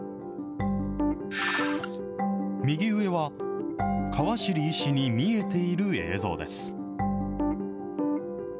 右上は、川尻医師に見えている映像です。